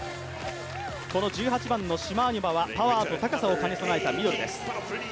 この１８番のシマーニョバはパワーと高さを備えたミドルです。